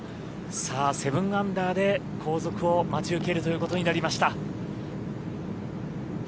さあ、７アンダーで後続を待ち受けるということになりました。